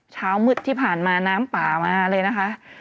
เช้ามืดที่ผ่านมาน้ำป่ามาเลยนะคะ